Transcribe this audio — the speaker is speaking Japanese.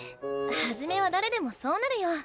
初めは誰でもそうなるよ。